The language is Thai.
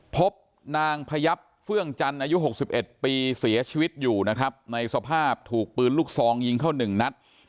พบนางพยับเฟื่องจันทร์อายุ๖๑ปีเสียชีวิตอยู่นะครับในสภาพถูกปืนลูกซองยิงเข้า๑นัด